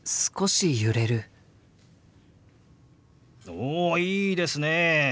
おいいですね！